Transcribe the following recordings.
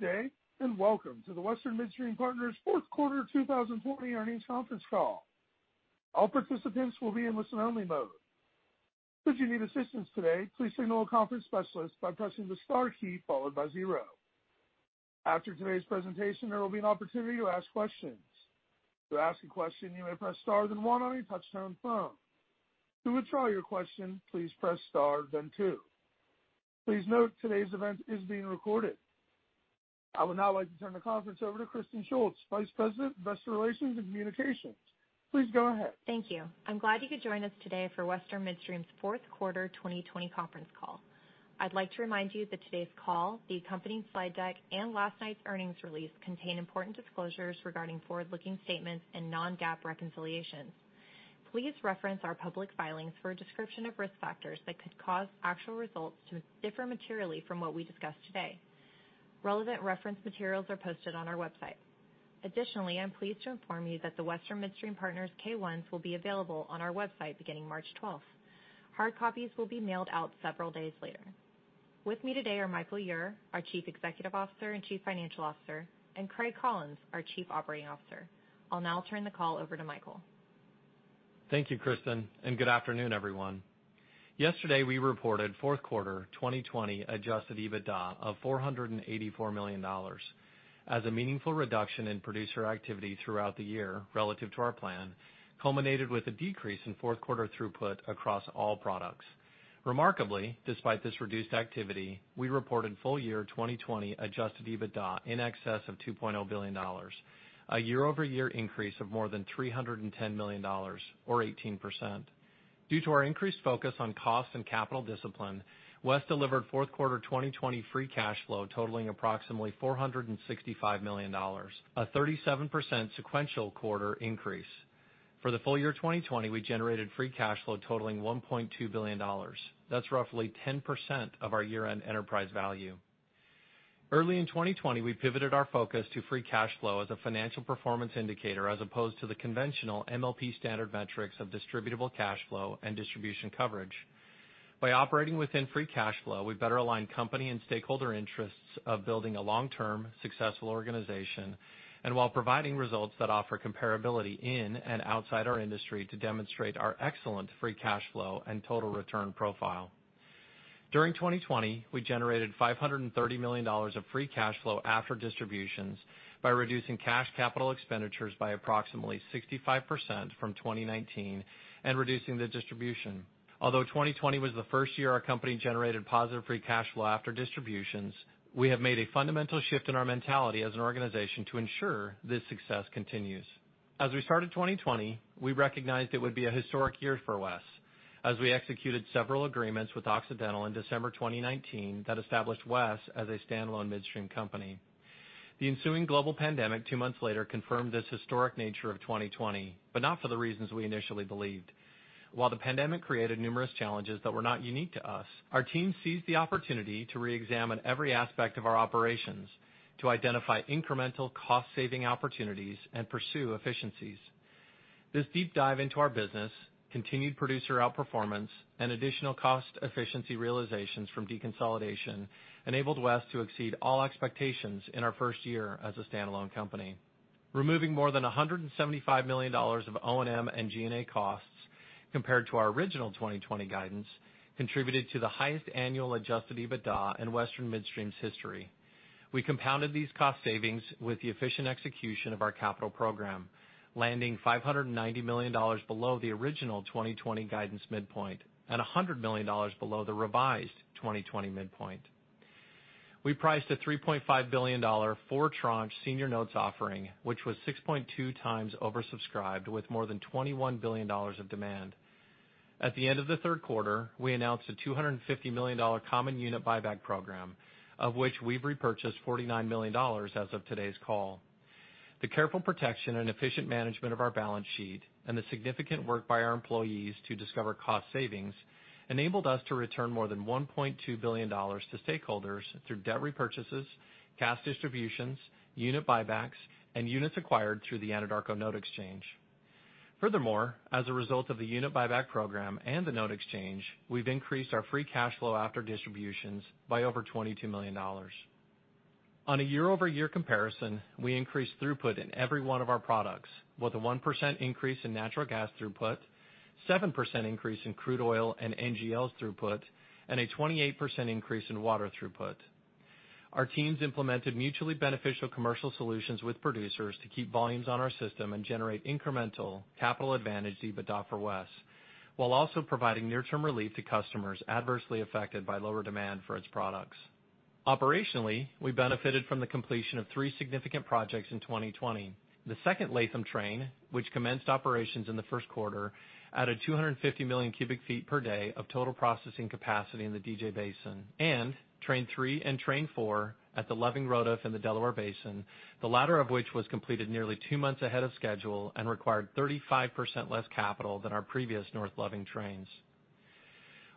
Good day, and welcome to the Western Midstream Partners' fourth quarter 2020 earnings conference call. All participants will be in listen-only mode. Should you need assistance today, please signal the conference specialist by pressing the star key followed by zero. After today's presentation, there will be an opportunity to ask questions. To ask a question, you may press star then one on your touchtone phone. To withdraw your question, please press star then two. Please note today's even is being recorded. I would now like to turn the conference over to Kristen Shults, Vice President of Investor Relations and Communications. Please go ahead. Thank you. I'm glad you could join us today for Western Midstream's fourth quarter 2020 conference call. I'd like to remind you that today's call, the accompanying slide deck, and last night's earnings release contain important disclosures regarding forward-looking statements and non-GAAP reconciliations. Please reference our public filings for a description of risk factors that could cause actual results to differ materially from what we discuss today. Relevant reference materials are posted on our website. Additionally, I'm pleased to inform you that the Western Midstream Partners K-1s will be available on our website beginning March 12th. Hard copies will be mailed out several days later. With me today are Michael Ure, our Chief Executive Officer and Chief Financial Officer, and Craig Collins, our Chief Operating Officer. I'll now turn the call over to Michael. Thank you, Kristen, and good afternoon, everyone. Yesterday, we reported fourth quarter 2020 adjusted EBITDA of $484 million. As a meaningful reduction in producer activity throughout the year relative to our plan culminated with a decrease in fourth quarter throughput across all products. Remarkably, despite this reduced activity, we reported full year 2020 adjusted EBITDA in excess of $2.0 billion. A year-over-year increase of more than $310 million or 18%. Due to our increased focus on cost and capital discipline, WES delivered fourth quarter 2020 free cash flow totaling approximately $465 million, a 37% sequential quarter increase. For the full year 2020, we generated free cash flow totaling $1.2 billion. That's roughly 10% of our year-end enterprise value. Early in 2020, we pivoted our focus to free cash flow as a financial performance indicator, as opposed to the conventional MLP standard metrics of distributable cash flow and distribution coverage. By operating within free cash flow, we better align company and stakeholder interests of building a long-term successful organization, and while providing results that offer comparability in and outside our industry to demonstrate our excellent free cash flow and total return profile. During 2020, we generated $530 million of free cash flow after distributions by reducing cash capital expenditures by approximately 65% from 2019 and reducing the distribution. Although 2020 was the first year our company generated positive free cash flow after distributions, we have made a fundamental shift in our mentality as an organization to ensure this success continues. As we started 2020, we recognized it would be a historic year for WES as we executed several agreements with Occidental in December 2019 that established WES as a standalone midstream company. The ensuing global pandemic two months later confirmed this historic nature of 2020, but not for the reasons we initially believed. While the pandemic created numerous challenges that were not unique to us, our team seized the opportunity to reexamine every aspect of our operations to identify incremental cost saving opportunities and pursue efficiencies. This deep dive into our business, continued producer outperformance, and additional cost efficiency realizations from deconsolidation enabled WES to exceed all expectations in our first year as a standalone company. Removing more than $175 million of O&M and G&A costs compared to our original 2020 guidance contributed to the highest annual adjusted EBITDA in Western Midstream's history. We compounded these cost savings with the efficient execution of our capital program, landing $590 million below the original 2020 guidance midpoint and $100 million below the revised 2020 midpoint. We priced a $3.5 billion four tranche senior notes offering, which was 6.2x oversubscribed with more than $21 billion of demand. At the end of the third quarter, we announced a $250 million common unit buyback program, of which we've repurchased $49 million as of today's call. The careful protection and efficient management of our balance sheet and the significant work by our employees to discover cost savings enabled us to return more than $1.2 billion to stakeholders through debt repurchases, cash distributions, unit buybacks, and units acquired through the Anadarko note exchange. Furthermore, as a result of the unit buyback program and the note exchange, we've increased our free cash flow after distributions by over $22 million. On a year-over-year comparison, we increased throughput in every one of our products, with a 1% increase in natural gas throughput, 7% increase in crude oil and NGLs throughput, and a 28% increase in water throughput. Our teams implemented mutually beneficial commercial solutions with producers to keep volumes on our system and generate incremental capital advantage EBITDA for WES, while also providing near-term relief to customers adversely affected by lower demand for its products. Operationally, we benefited from the completion of three significant projects in 2020. The second Latham train, which commenced operations in the first quarter, added 250 million cubic feet per day of total processing capacity in the DJ B. Train III and Train IV at the Loving ROTF in the Delaware Basin, the latter of which was completed nearly two months ahead of schedule and required 35% less capital than our previous North Loving trains.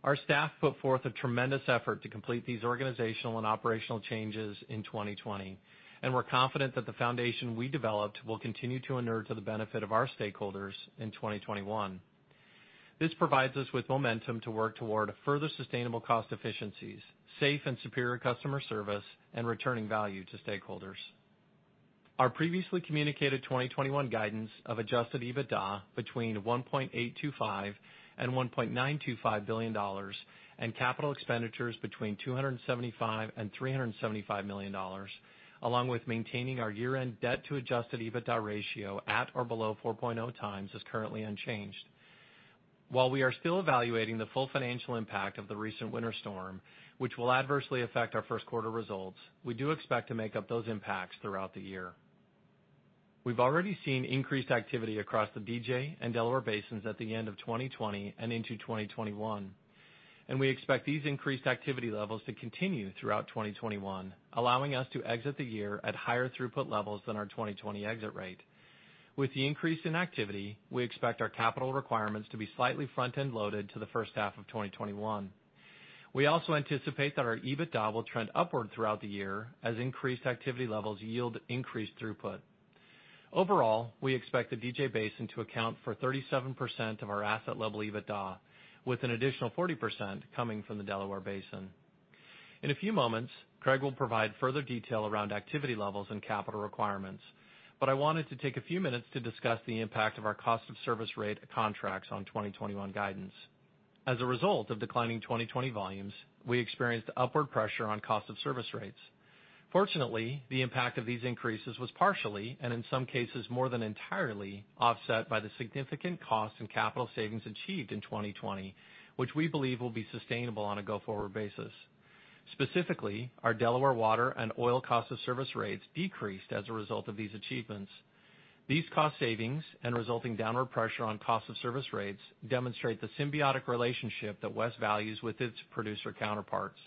Our staff put forth a tremendous effort to complete these organizational and operational changes in 2020, and we're confident that the foundation we developed will continue to inure to the benefit of our stakeholders in 2021. This provides us with momentum to work toward further sustainable cost efficiencies, safe and superior customer service, and returning value to stakeholders. Our previously communicated 2021 guidance of adjusted EBITDA between $1.825 and $1.925 billion and capital expenditures between $275 million and $375 million, along with maintaining our year-end debt to adjusted EBITDA ratio at or below 4.0x, is currently unchanged. While we are still evaluating the full financial impact of the recent winter storm, which will adversely affect our first quarter results, we do expect to make up those impacts throughout the year. We've already seen increased activity across the DJ and Delaware basins at the end of 2020 and into 2021. We expect these increased activity levels to continue throughout 2021, allowing us to exit the year at higher throughput levels than our 2020 exit rate. With the increase in activity, we expect our capital requirements to be slightly front-end loaded to the first half of 2021. We also anticipate that our EBITDA will trend upward throughout the year as increased activity levels yield increased throughput. Overall, we expect the DJ Basin to account for 37% of our asset-level EBITDA, with an additional 40% coming from the Delaware Basin. In a few moments, Craig will provide further detail around activity levels and capital requirements, but I wanted to take a few minutes to discuss the impact of our cost of service rate contracts on 2021 guidance. As a result of declining 2020 volumes, we experienced upward pressure on cost of service rates. Fortunately, the impact of these increases was partially, and in some cases more than entirely, offset by the significant cost in capital savings achieved in 2020, which we believe will be sustainable on a go-forward basis. Specifically, our Delaware water and oil cost of service rates decreased as a result of these achievements. These cost savings and resulting downward pressure on cost of service rates demonstrate the symbiotic relationship that WES values with its producer counterparts.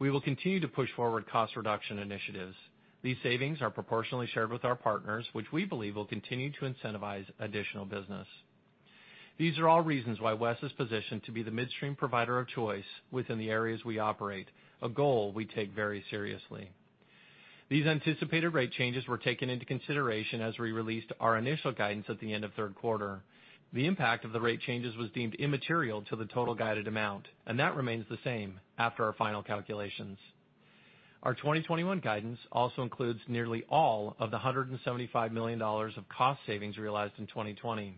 We will continue to push forward cost reduction initiatives. These savings are proportionally shared with our partners, which we believe will continue to incentivize additional business. These are all reasons why WES is positioned to be the midstream provider of choice within the areas we operate, a goal we take very seriously. These anticipated rate changes were taken into consideration as we released our initial guidance at the end of third quarter. The impact of the rate changes was deemed immaterial to the total guided amount, and that remains the same after our final calculations. Our 2021 guidance also includes nearly all of the $175 million of cost savings realized in 2020.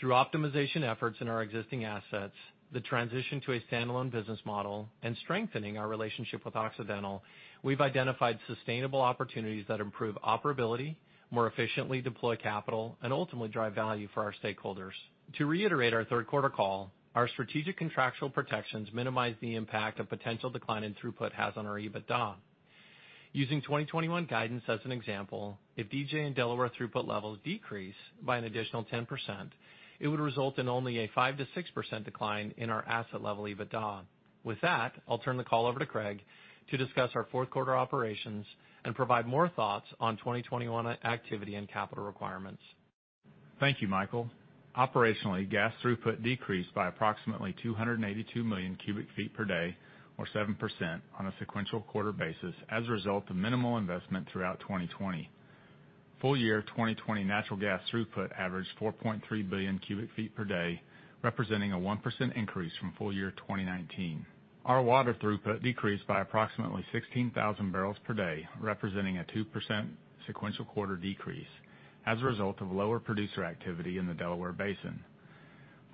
Through optimization efforts in our existing assets, the transition to a standalone business model, and strengthening our relationship with Occidental, we've identified sustainable opportunities that improve operability, more efficiently deploy capital, and ultimately drive value for our stakeholders. To reiterate our third quarter call, our strategic contractual protections minimize the impact a potential decline in throughput has on our EBITDA. Using 2021 guidance as an example, if DJ and Delaware throughput levels decrease by an additional 10%, it would result in only a 5%-6% decline in our asset level EBITDA. With that, I'll turn the call over to Craig to discuss our fourth quarter operations and provide more thoughts on 2021 activity and capital requirements. Thank you, Michael. Operationally, gas throughput decreased by approximately 282 million cubic feet per day, or 7%, on a sequential quarter basis as a result of minimal investment throughout 2020. Full year 2020 natural gas throughput averaged 4.3 billion cubic feet per day, representing a 1% increase from full year 2019. Our water throughput decreased by approximately 16,000 bpd, representing a 2% sequential quarter decrease as a result of lower producer activity in the Delaware Basin.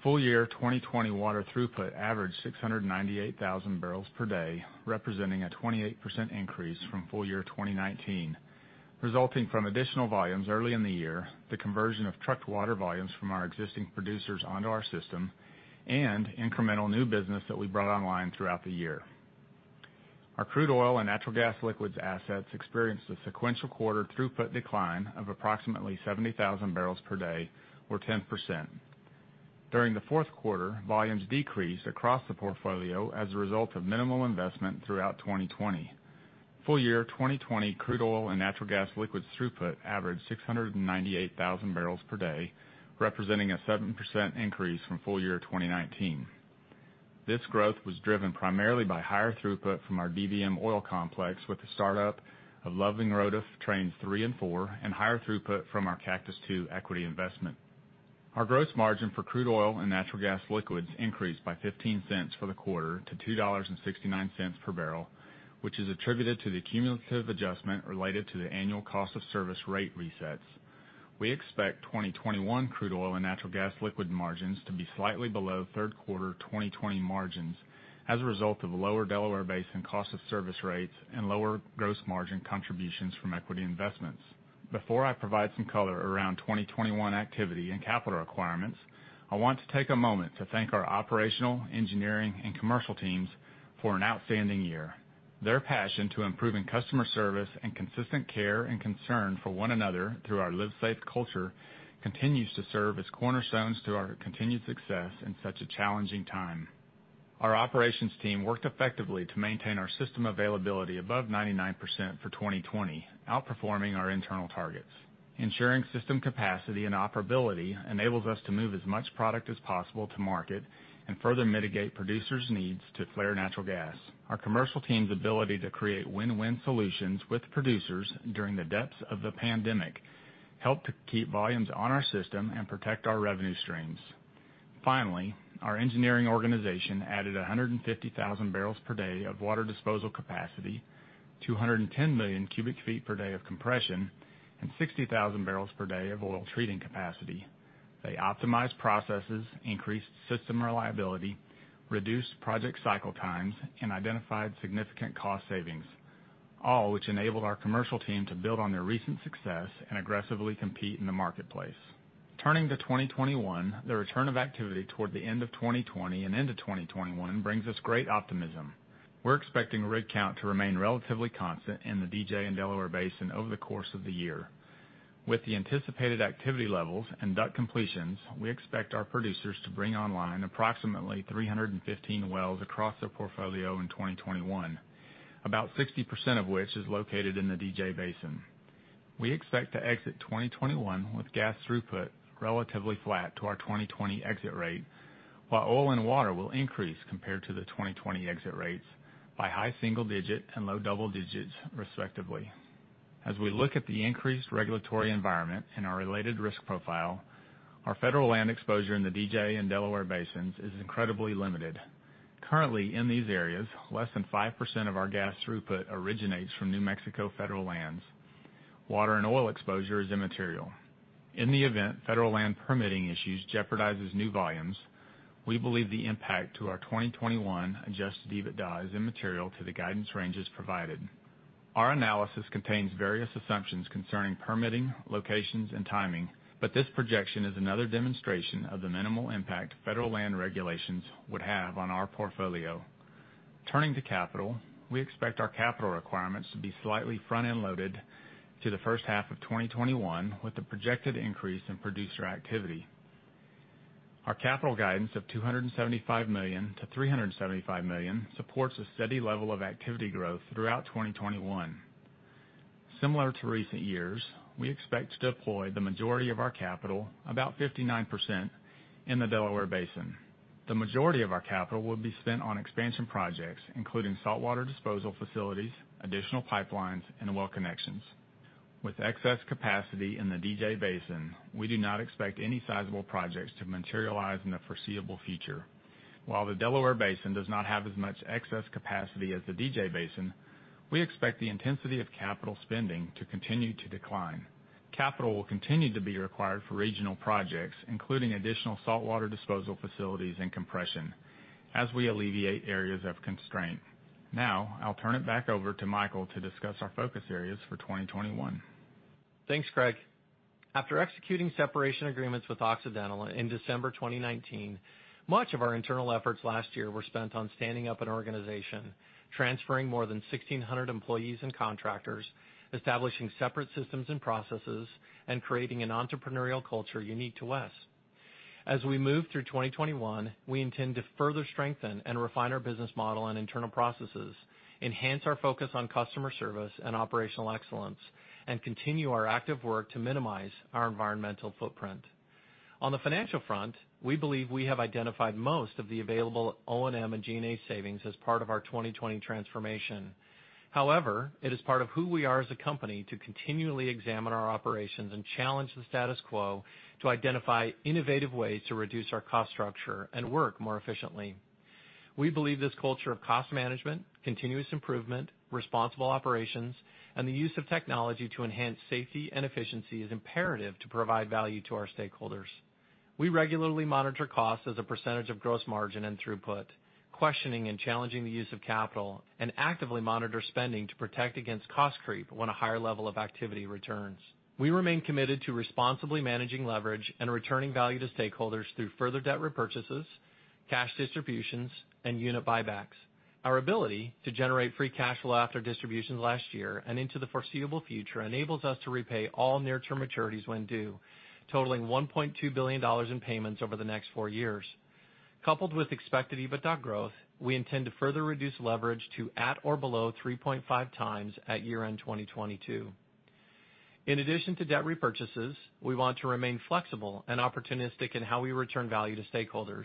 Full year 2020 water throughput averaged 698,000 bpd, representing a 28% increase from full year 2019, resulting from additional volumes early in the year, the conversion of trucked water volumes from our existing producers onto our system, and incremental new business that we brought online throughout the year. Our crude oil and natural gas liquids assets experienced a sequential quarter throughput decline of approximately 70,000 bpd, or 10%. During the fourth quarter, volumes decreased across the portfolio as a result of minimal investment throughout 2020. Full year 2020 crude oil and natural gas liquids throughput averaged 698,000 bpd, representing a 7% increase from full year 2019. This growth was driven primarily by higher throughput from our DBM Oil complex with the startup of Loving ROTF Train III and IV and higher throughput from our Cactus II equity investment. Our gross margin for crude oil and natural gas liquids increased by $0.15 for the quarter to $2.69 per bbl, which is attributed to the cumulative adjustment related to the annual cost of service rate resets. We expect 2021 crude oil and natural gas liquid margins to be slightly below third quarter 2020 margins as a result of lower Delaware Basin cost of service rates and lower gross margin contributions from equity investments. Before I provide some color around 2021 activity and capital requirements, I want to take a moment to thank our operational, engineering, and commercial teams for an outstanding year. Their passion to improving customer service and consistent care and concern for one another through our LiveSAFE culture continues to serve as cornerstones to our continued success in such a challenging time. Our operations team worked effectively to maintain our system availability above 99% for 2020, outperforming our internal targets. Ensuring system capacity and operability enables us to move as much product as possible to market and further mitigate producers' needs to flare natural gas. Our commercial team's ability to create win-win solutions with producers during the depths of the pandemic helped to keep volumes on our system and protect our revenue streams. Finally, our engineering organization added 150,000 bpd of water disposal capacity, 210 million cubic feet per day of compression, and 60,000 bpd of oil treating capacity. They optimized processes, increased system reliability, reduced project cycle times, and identified significant cost savings, all which enabled our commercial team to build on their recent success and aggressively compete in the marketplace. Turning to 2021, the return of activity toward the end of 2020 and into 2021 brings us great optimism. We're expecting rig count to remain relatively constant in the DJ and Delaware Basin over the course of the year. With the anticipated activity levels and DUC completions, we expect our producers to bring online approximately 315 wells across their portfolio in 2021, about 60% of which is located in the DJ Basin. We expect to exit 2021 with gas throughput relatively flat to our 2020 exit rate, while oil and water will increase compared to the 2020 exit rates by high single digit and low double digits respectively. As we look at the increased regulatory environment and our related risk profile, our federal land exposure in the DJ and Delaware basins is incredibly limited. Currently, in these areas, less than 5% of our gas throughput originates from New Mexico federal lands. Water and oil exposure is immaterial. In the event federal land permitting issues jeopardizes new volumes, we believe the impact to our 2021 adjusted EBITDA is immaterial to the guidance ranges provided. Our analysis contains various assumptions concerning permitting, locations, and timing, but this projection is another demonstration of the minimal impact federal land regulations would have on our portfolio. Turning to capital, we expect our capital requirements to be slightly front-end loaded to the first half of 2021 with the projected increase in producer activity. Our capital guidance of $275 million-$375 million supports a steady level of activity growth throughout 2021. Similar to recent years, we expect to deploy the majority of our capital, about 59%, in the Delaware Basin. The majority of our capital will be spent on expansion projects, including saltwater disposal facilities, additional pipelines, and well connections. With excess capacity in the DJ Basin, we do not expect any sizable projects to materialize in the foreseeable future. While the Delaware Basin does not have as much excess capacity as the DJ Basin, we expect the intensity of capital spending to continue to decline. Capital will continue to be required for regional projects, including additional saltwater disposal facilities and compression as we alleviate areas of constraint. Now, I'll turn it back over to Michael to discuss our focus areas for 2021. Thanks, Craig. After executing separation agreements with Occidental in December 2019, much of our internal efforts last year were spent on standing up an organization, transferring more than 1,600 employees and contractors, establishing separate systems and processes, and creating an entrepreneurial culture unique to WES. As we move through 2021, we intend to further strengthen and refine our business model and internal processes, enhance our focus on customer service and operational excellence, and continue our active work to minimize our environmental footprint. On the financial front, we believe we have identified most of the available O&M and G&A savings as part of our 2020 transformation. However, it is part of who we are as a company to continually examine our operations and challenge the status quo to identify innovative ways to reduce our cost structure and work more efficiently. We believe this culture of cost management, continuous improvement, responsible operations, and the use of technology to enhance safety and efficiency is imperative to provide value to our stakeholders. We regularly monitor costs as a percentage of gross margin and throughput, questioning and challenging the use of capital, and actively monitor spending to protect against cost creep when a higher level of activity returns. We remain committed to responsibly managing leverage and returning value to stakeholders through further debt repurchases, cash distributions, and unit buybacks. Our ability to generate free cash flow after distributions last year and into the foreseeable future enables us to repay all near-term maturities when due, totaling $1.2 billion in payments over the next four years. Coupled with expected EBITDA growth, we intend to further reduce leverage to at or below 3.5x at year-end 2022. In addition to debt repurchases, we want to remain flexible and opportunistic in how we return value to stakeholders.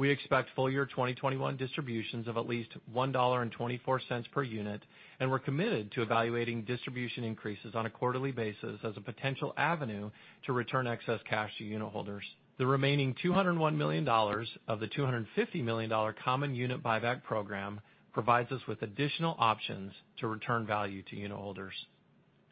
We expect full-year 2021 distributions of at least $1.24 per unit, and we're committed to evaluating distribution increases on a quarterly basis as a potential avenue to return excess cash to unitholders. The remaining $201 million of the $250 million common unit buyback program provides us with additional options to return value to unitholders.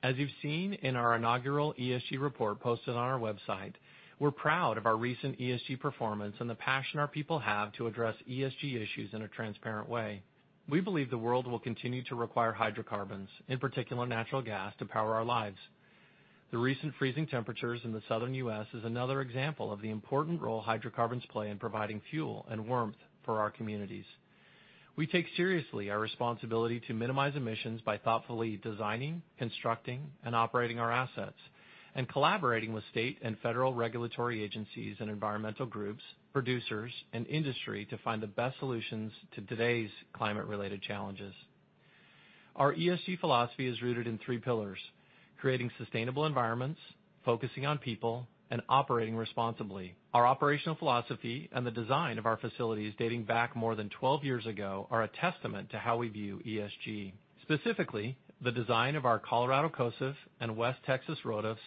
As you've seen in our inaugural ESG report posted on our website, we're proud of our recent ESG performance and the passion our people have to address ESG issues in a transparent way. We believe the world will continue to require hydrocarbons, in particular natural gas, to power our lives. The recent freezing temperatures in the Southern U.S. is another example of the important role hydrocarbons play in providing fuel and warmth for our communities. We take seriously our responsibility to minimize emissions by thoughtfully designing, constructing, and operating our assets, and collaborating with state and federal regulatory agencies and environmental groups, producers, and industry to find the best solutions to today's climate-related challenges. Our ESG philosophy is rooted in three pillars: creating sustainable environments, focusing on people, and operating responsibly. Our operational philosophy and the design of our facilities dating back more than 12 years ago are a testament to how we view ESG. Specifically, the design of our Colorado COSF and West Texas ROTFs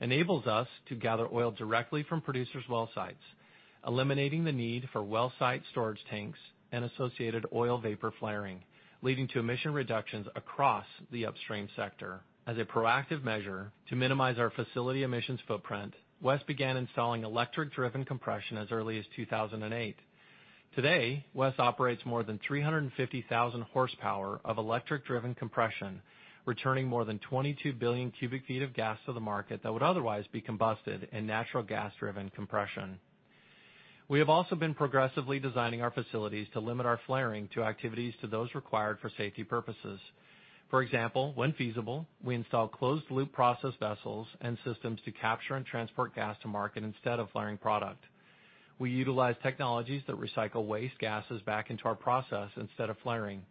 enables us to gather oil directly from producers' well sites, eliminating the need for well site storage tanks and associated oil vapor flaring, leading to emission reductions across the upstream sector. As a proactive measure to minimize our facility emissions footprint, WES began installing electric-driven compression as early as 2008. Today, WES operates more than 350,000 hp of electric-driven compression, returning more than 22 billion cubic feet of gas to the market that would otherwise be combusted in natural gas-driven compression. We have also been progressively designing our facilities to limit our flaring activities to those required for safety purposes. For example, when feasible, we install closed-loop process vessels and systems to capture and transport gas to market instead of flaring product. We utilize technologies that recycle waste gases back into our process instead of flaring.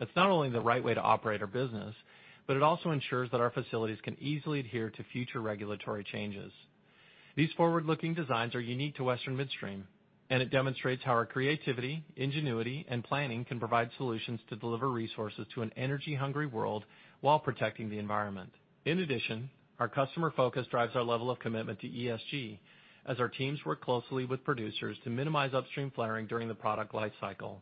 That's not only the right way to operate our business, but it also ensures that our facilities can easily adhere to future regulatory changes. These forward-looking designs are unique to Western Midstream, and it demonstrates how our creativity, ingenuity, and planning can provide solutions to deliver resources to an energy-hungry world while protecting the environment. In addition, our customer focus drives our level of commitment to ESG as our teams work closely with producers to minimize upstream flaring during the product life cycle.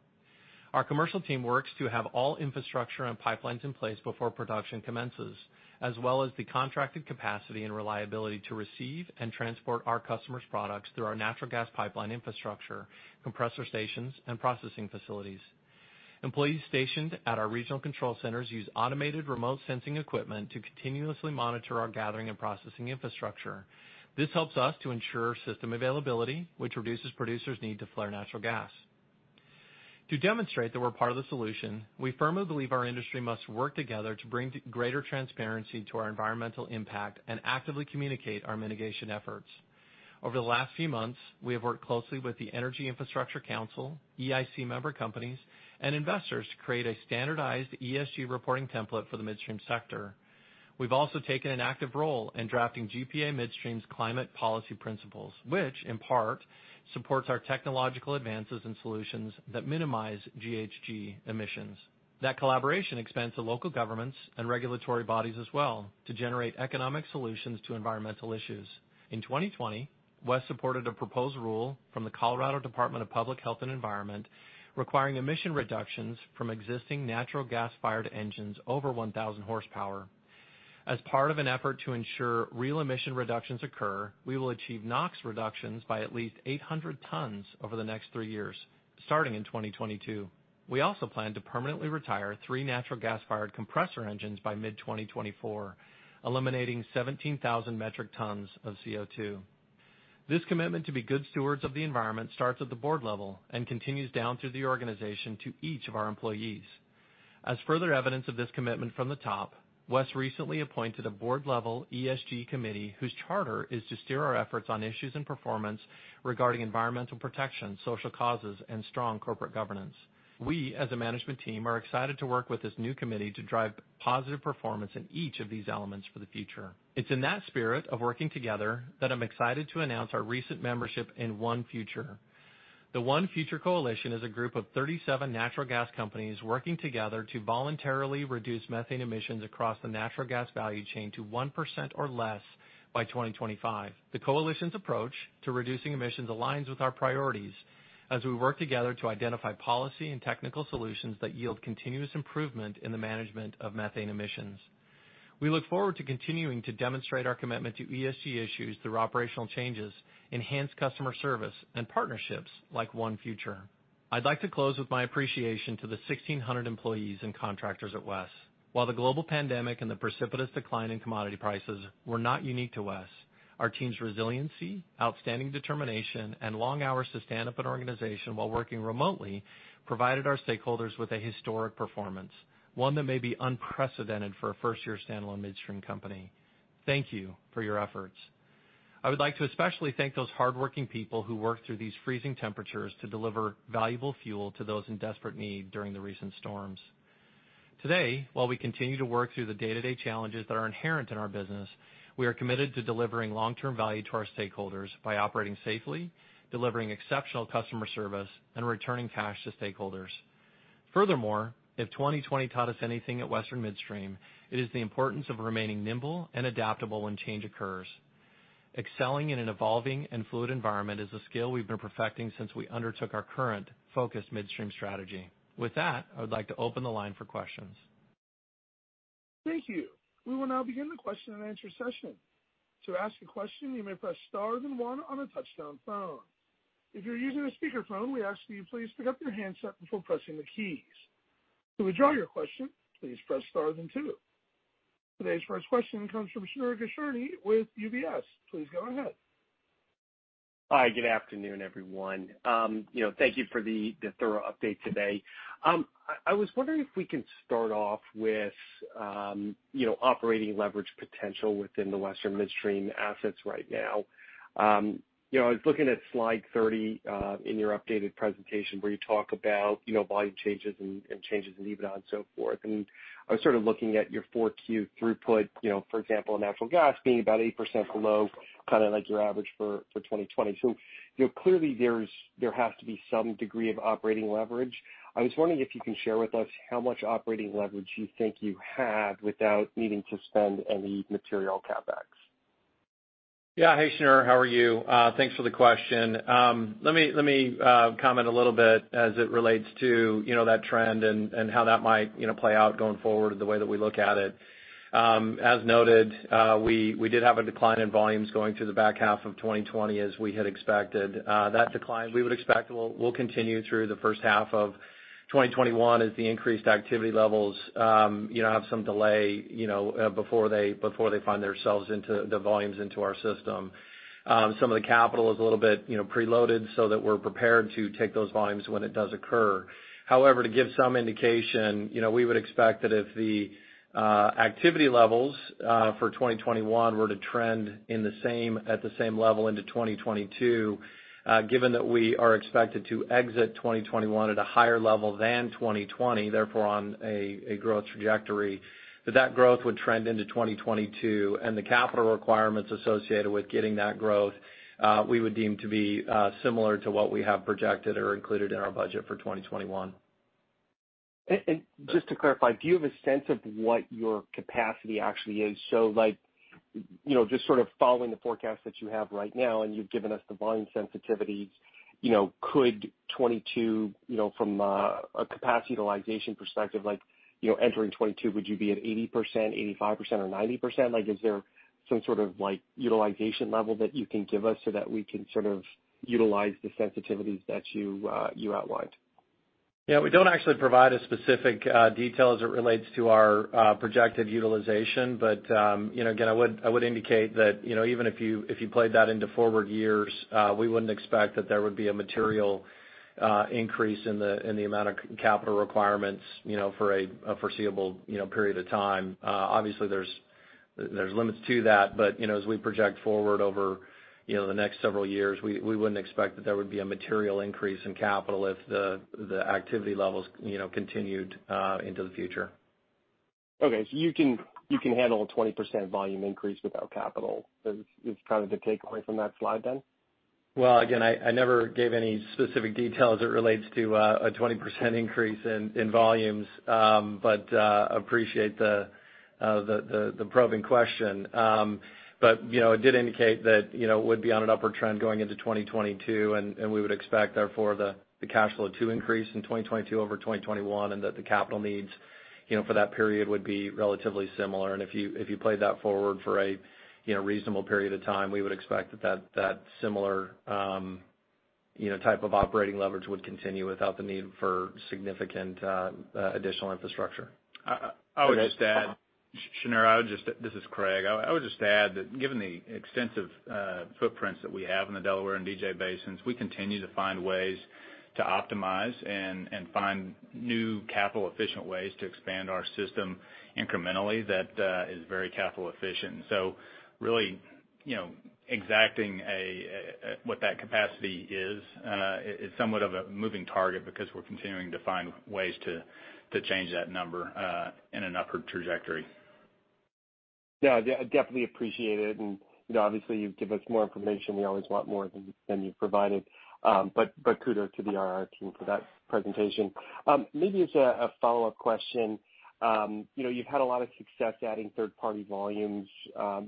Our commercial team works to have all infrastructure and pipelines in place before production commences, as well as the contracted capacity and reliability to receive and transport our customers' products through our natural gas pipeline infrastructure, compressor stations, and processing facilities. Employees stationed at our regional control centers use automated remote sensing equipment to continuously monitor our gathering and processing infrastructure. This helps us to ensure system availability, which reduces producers' need to flare natural gas. To demonstrate that we're part of the solution, we firmly believe our industry must work together to bring greater transparency to our environmental impact and actively communicate our mitigation efforts. Over the last few months, we have worked closely with the Energy Infrastructure Council, EIC member companies, and investors to create a standardized ESG reporting template for the midstream sector. We've also taken an active role in drafting GPA Midstream's climate policy principles, which in part supports our technological advances and solutions that minimize GHG emissions. That collaboration expands to local governments and regulatory bodies as well to generate economic solutions to environmental issues. In 2020, WES supported a proposed rule from the Colorado Department of Public Health and Environment requiring emission reductions from existing natural gas-fired engines over 1,000 hp. As part of an effort to ensure real emission reductions occur, we will achieve NOx reductions by at least 800 tons over the next three years, starting in 2022. We also plan to permanently retire three natural gas-fired compressor engines by mid-2024, eliminating 17,000 metric tons of CO2. This commitment to be good stewards of the environment starts at the board level and continues down through the organization to each of our employees. As further evidence of this commitment from the top, WES recently appointed a board-level ESG committee whose charter is to steer our efforts on issues and performance regarding environmental protection, social causes, and strong corporate governance. We, as a management team, are excited to work with this new committee to drive positive performance in each of these elements for the future. It's in that spirit of working together that I'm excited to announce our recent membership in ONE Future. The ONE Future Coalition is a group of 37 natural gas companies working together to voluntarily reduce methane emissions across the natural gas value chain to 1% or less by 2025. The coalition's approach to reducing emissions aligns with our priorities as we work together to identify policy and technical solutions that yield continuous improvement in the management of methane emissions. We look forward to continuing to demonstrate our commitment to ESG issues through operational changes, enhanced customer service, and partnerships like ONE Future. I'd like to close with my appreciation to the 1,600 employees and contractors at WES. While the global pandemic and the precipitous decline in commodity prices were not unique to WES, our team's resiliency, outstanding determination, and long hours to stand up an organization while working remotely provided our stakeholders with a historic performance, one that may be unprecedented for a first-year standalone midstream company. Thank you for your efforts. I would like to especially thank those hardworking people who worked through these freezing temperatures to deliver valuable fuel to those in desperate need during the recent storms. Today, while we continue to work through the day-to-day challenges that are inherent in our business, we are committed to delivering long-term value to our stakeholders by operating safely, delivering exceptional customer service, and returning cash to stakeholders. Furthermore, if 2020 taught us anything at Western Midstream, it is the importance of remaining nimble and adaptable when change occurs. Excelling in an evolving and fluid environment is a skill we've been perfecting since we undertook our current focused midstream strategy. With that, I would like to open the line for questions. Thank you. We will now begin the question and answer session. To ask a question, you may press star then one on your touchtone phone. If you're using a speakerphone, we ask you to please pick up your handset before pressing the keys. To withdraw your question, please press star then two. Today's first question comes from Shneur Gershuni with UBS. Please go ahead. Hi. Good afternoon, everyone. Thank you for the thorough update today. I was wondering if we can start off with operating leverage potential within the Western Midstream assets right now. I was looking at slide 30 in your updated presentation where you talk about volume changes and changes in EBITDA and so forth. I was sort of looking at your 4Q throughput, for example, in natural gas being about 8% below, kind of like your average for 2020. Clearly, there has to be some degree of operating leverage. I was wondering if you can share with us how much operating leverage you think you have without needing to spend any material CapEx. Yeah. Hey, Shneur, how are you? Thanks for the question. Let me comment a little bit as it relates to that trend and how that might play out going forward, the way that we look at it. As noted, we did have a decline in volumes going through the back half of 2020 as we had expected. That decline, we would expect will continue through the first half of 2021 as the increased activity levels have some delay before they find themselves into the volumes into our system. Some of the capital is a little bit preloaded so that we're prepared to take those volumes when it does occur. However, to give some indication, we would expect that if the activity levels for 2021 were to trend at the same level into 2022, given that we are expected to exit 2021 at a higher level than 2020, therefore on a growth trajectory, that growth would trend into 2022. The capital requirements associated with getting that growth, we would deem to be similar to what we have projected or included in our budget for 2021. Just to clarify, do you have a sense of what your capacity actually is? Just following the forecast that you have right now, and you've given us the volume sensitivities, could 2022, from a capacity utilization perspective, entering 2022, would you be at 80%, 85%, or 90%? Is there some sort of utilization level that you can give us so that we can utilize the sensitivities that you outlined? Yeah. We don't actually provide a specific detail as it relates to our projected utilization. Again, I would indicate that even if you played that into forward years, we wouldn't expect that there would be a material increase in the amount of capital requirements for a foreseeable period of time. Obviously, there's limits to that, but as we project forward over the next several years, we wouldn't expect that there would be a material increase in capital if the activity levels continued into the future. Okay. You can handle a 20% volume increase without capital, is kind of the takeaway from that slide, then? Well, again, I never gave any specific detail as it relates to a 20% increase in volumes, but appreciate the probing question. It did indicate that it would be on an upward trend going into 2022, and we would expect, therefore, the cash flow to increase in 2022 over 2021, and that the capital needs for that period would be relatively similar. If you played that forward for a reasonable period of time, we would expect that similar type of operating leverage would continue without the need for significant additional infrastructure. I would just add, Shneur, this is Craig. I would just add that given the extensive footprints that we have in the Delaware and DJ basins, we continue to find ways to optimize and find new capital-efficient ways to expand our system incrementally that is very capital efficient. Really exacting what that capacity is is somewhat of a moving target because we're continuing to find ways to change that number in an upward trajectory. Yeah. Definitely appreciate it. Obviously, you give us more information. We always want more than you provided. Kudos to the IR team for that presentation. Maybe as a follow-up question. You've had a lot of success adding third-party volumes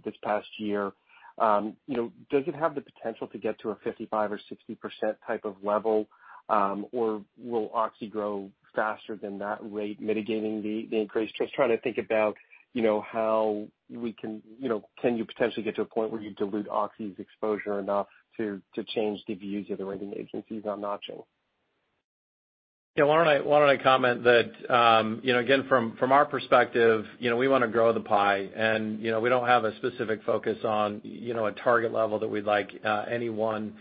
this past year. Does it have the potential to get to a 55% or 60% type of level? Will Oxy grow faster than that rate mitigating the increase? Just trying to think about can you potentially get to a point where you dilute Oxy's exposure enough to change the views of the rating agencies on notching. Why don't I comment that, again from our perspective, we want to grow the pie. We don't have a specific focus on a target level that we'd like any one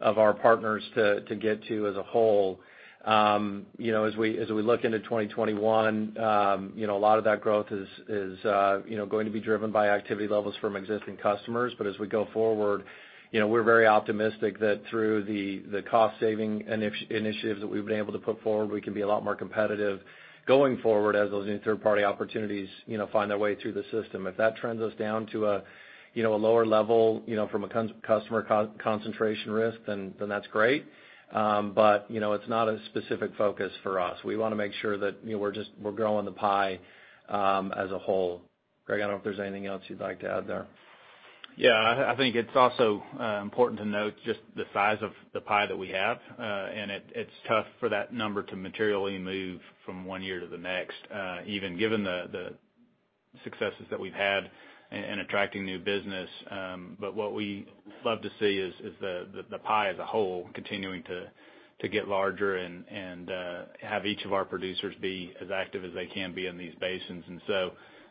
of our partners to get to as a whole. As we look into 2021, a lot of that growth is going to be driven by activity levels from existing customers. As we go forward, we're very optimistic that through the cost-saving initiatives that we've been able to put forward, we can be a lot more competitive going forward as those new third-party opportunities find their way through the system. If that trends us down to a lower level from a customer concentration risk, that's great. It's not a specific focus for us. We want to make sure that we're growing the pie as a whole. Craig, I don't know if there's anything else you'd like to add there. Yeah. I think it's also important to note just the size of the pie that we have. It's tough for that number to materially move from one year to the next, even given the successes that we've had in attracting new business. What we love to see is the pie as a whole continuing to get larger and have each of our producers be as active as they can be in these basins.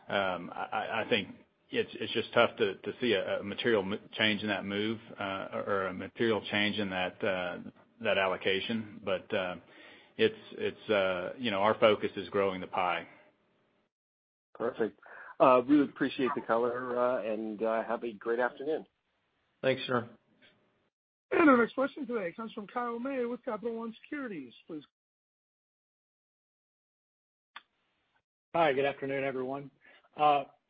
I think it's just tough to see a material change in that move or a material change in that allocation. Our focus is growing the pie. Perfect. Really appreciate the color, and have a great afternoon. Thanks, Shneur. Our next question today comes from Kyle May with Capital One Securities. Please go ahead. Hi, good afternoon, everyone.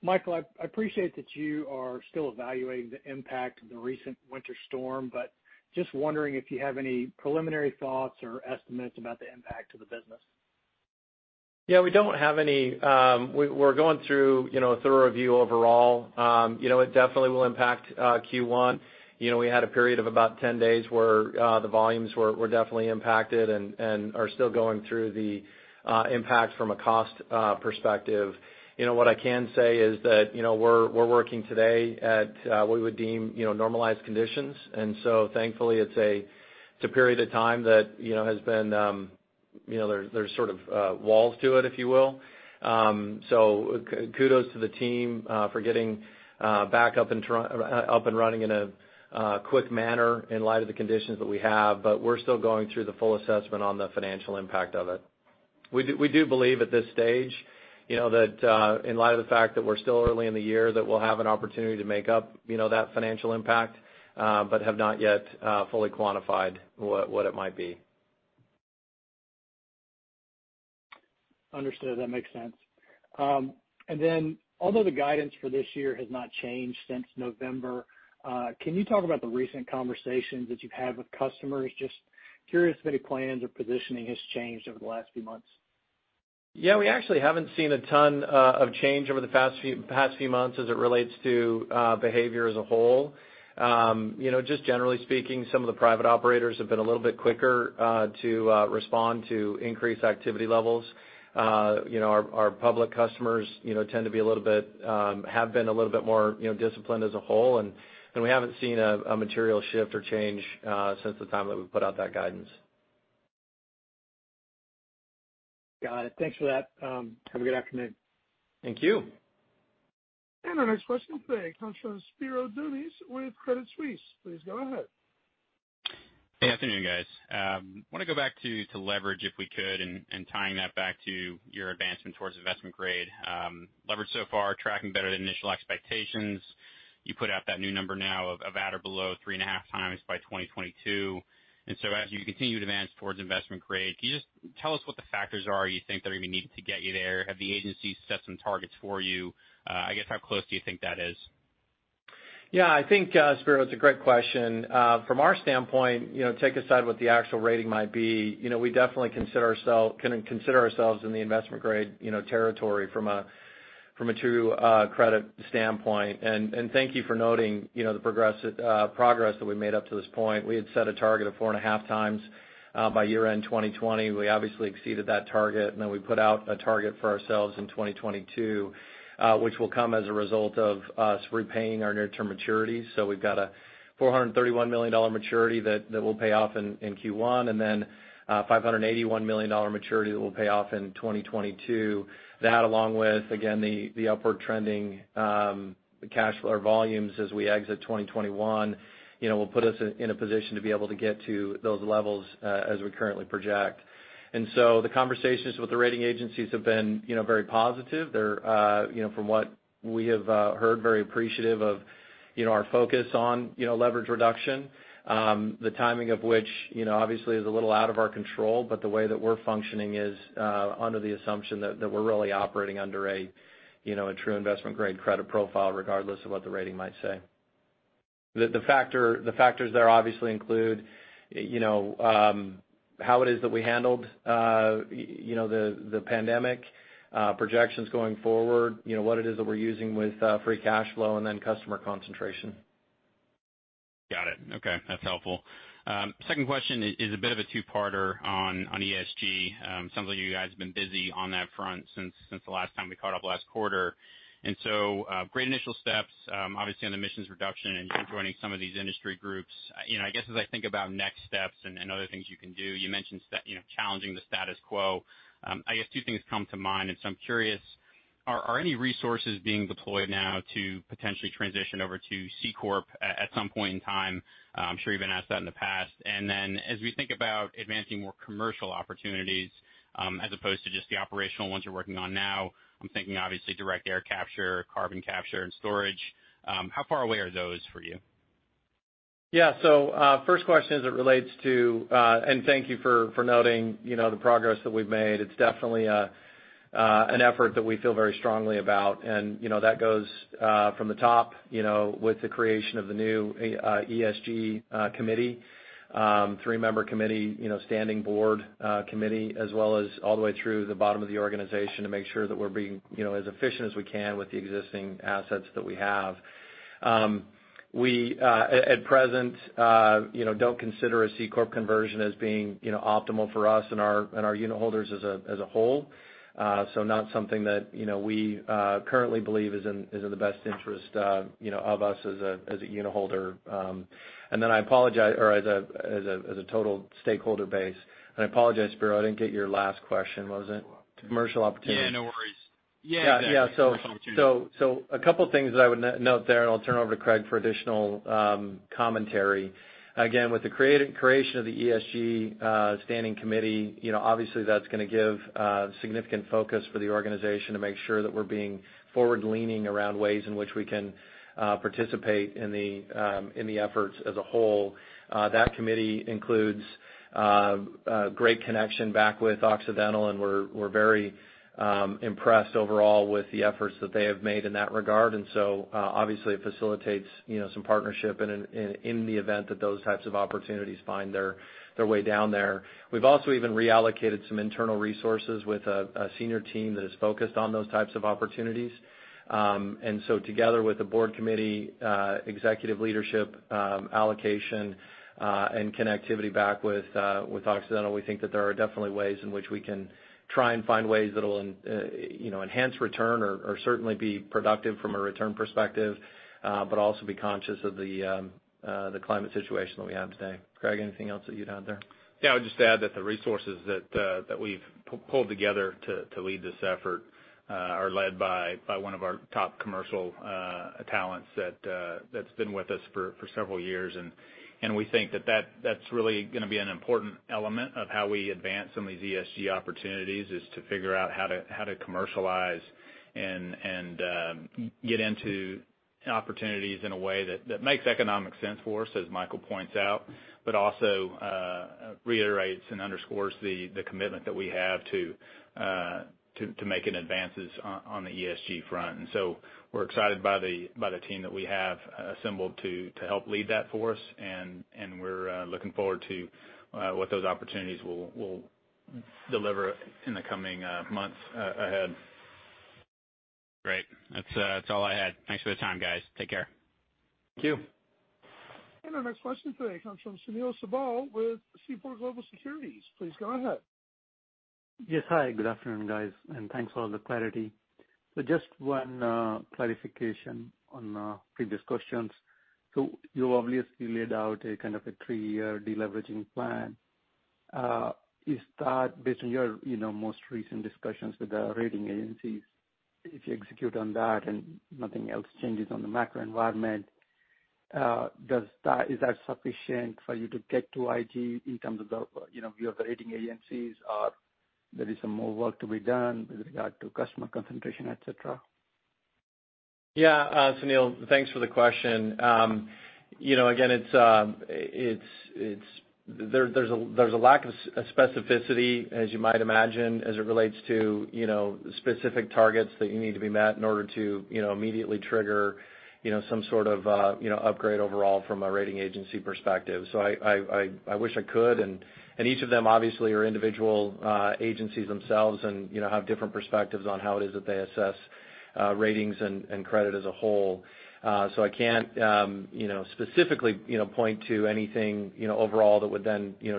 Michael, I appreciate that you are still evaluating the impact of the recent winter storm, but just wondering if you have any preliminary thoughts or estimates about the impact to the business. Yeah, we're going through a thorough review overall. It definitely will impact Q1. We had a period of about 10 days where the volumes were definitely impacted and are still going through the impact from a cost perspective. What I can say is that we're working today at what we would deem normalized conditions. Thankfully, it's a period of time that there's sort of walls to it, if you will. Kudos to the team for getting back up and running in a quick manner in light of the conditions that we have. We're still going through the full assessment on the financial impact of it. We do believe at this stage, that in light of the fact that we're still early in the year, that we'll have an opportunity to make up that financial impact, but have not yet fully quantified what it might be. Understood. That makes sense. Although the guidance for this year has not changed since November, can you talk about the recent conversations that you've had with customers? Just curious if any plans or positioning has changed over the last few months. Yeah, we actually haven't seen a ton of change over the past few months as it relates to behavior as a whole. Just generally speaking, some of the private operators have been a little bit quicker to respond to increased activity levels. Our public customers have been a little bit more disciplined as a whole, and we haven't seen a material shift or change since the time that we've put out that guidance. Got it. Thanks for that. Have a good afternoon. Thank you. Our next question today comes from Spiro Dounis with Credit Suisse. Please go ahead. Hey, good afternoon, guys. I want to go back to leverage, if we could, and tying that back to your advancement towards investment grade. Leverage so far tracking better than initial expectations. You put out that new number now of at or below 3.5x by 2022. As you continue to advance towards investment grade, can you just tell us what the factors are you think that are going to be needed to get you there? Have the agencies set some targets for you? I guess, how close do you think that is? Yeah, I think, Spiro, it's a great question. From our standpoint, take aside what the actual rating might be, we definitely consider ourselves in the investment grade territory from a true credit standpoint. Thank you for noting the progress that we've made up to this point. We had set a target of 4.5x by year-end 2020. We obviously exceeded that target, then we put out a target for ourselves in 2022, which will come as a result of us repaying our near-term maturities. We've got a $431 million maturity that will pay off in Q1 then a $581 million maturity that will pay off in 2022. That, along with, again, the upward trending cash flow or volumes as we exit 2021, will put us in a position to be able to get to those levels as we currently project. The conversations with the rating agencies have been very positive. They're, from what we have heard, very appreciative of our focus on leverage reduction. The timing of which obviously is a little out of our control, but the way that we're functioning is under the assumption that we're really operating under a true investment grade credit profile, regardless of what the rating might say. The factors there obviously include how it is that we handled the pandemic, projections going forward, what it is that we're using with free cash flow, and then customer concentration. Got it. Okay, that's helpful. Second question is a bit of a two-parter on ESG. Sounds like you guys have been busy on that front since the last time we caught up last quarter. Great initial steps, obviously, on emissions reduction and joining some of these industry groups. I guess as I think about next steps and other things you can do, you mentioned challenging the status quo. I guess two things come to mind and so I'm curious, are any resources being deployed now to potentially transition over to C-corp at some point in time? I'm sure you've been asked that in the past. As we think about advancing more commercial opportunities as opposed to just the operational ones you're working on now, I'm thinking obviously direct air capture, carbon capture and storage. How far away are those for you? First question. Thank you for noting the progress that we've made. It's definitely an effort that we feel very strongly about. That goes from the top with the creation of the new ESG committee, three-member committee, standing board committee, as well as all the way through the bottom of the organization to make sure that we're being as efficient as we can with the existing assets that we have. We, at present, don't consider a C-corp conversion as being optimal for us and our unitholders as a whole. Not something that we currently believe is in the best interest of us as a unitholder or as a total stakeholder base. I apologize, Spiro, I didn't get your last question. Was it commercial opportunity? Yeah, no worries. Yeah. A couple things that I would note there, and I'll turn over to Craig for additional commentary. Again, with the creation of the ESG standing committee, obviously that's going to give significant focus for the organization to make sure that we're being forward-leaning around ways in which we can participate in the efforts as a whole. That committee includes a great connection back with Occidental, and we're very impressed overall with the efforts that they have made in that regard. Obviously, it facilitates some partnership in the event that those types of opportunities find their way down there. We've also even reallocated some internal resources with a senior team that is focused on those types of opportunities. Together with the board committee, executive leadership allocation, and connectivity back with Occidental, we think that there are definitely ways in which we can try and find ways that'll enhance return or certainly be productive from a return perspective, but also be conscious of the climate situation that we have today. Craig, anything else that you'd add there? Yeah, I'd just add that the resources that we've pulled together to lead this effort are led by one of our top commercial talents that's been with us for several years. We think that's really going to be an important element of how we advance some of these ESG opportunities, is to figure out how to commercialize and get into opportunities in a way that makes economic sense for us, as Michael points out, but also reiterates and underscores the commitment that we have to making advances on the ESG front. We're excited by the team that we have assembled to help lead that for us, and we're looking forward to what those opportunities will deliver in the coming months ahead. Great. That's all I had. Thanks for the time, guys. Take care. Thank you. Our next question today comes from Sunil Sibal with Seaport Global Securities. Please go ahead. Yes. Hi, good afternoon, guys. Thanks for all the clarity. Just one clarification on the previous questions. You obviously laid out a kind of a three-year de-leveraging plan. Is that based on your most recent discussions with the rating agencies? If you execute on that and nothing else changes on the macro environment, is that sufficient for you to get to IG in terms of the view of the rating agencies, or there is some more work to be done with regard to customer concentration, et cetera? Sunil, thanks for the question. There's a lack of specificity, as you might imagine, as it relates to specific targets that need to be met in order to immediately trigger some sort of upgrade overall from a rating agency perspective. I wish I could, each of them obviously are individual agencies themselves and have different perspectives on how it is that they assess ratings and credit as a whole. I can't specifically point to anything overall that would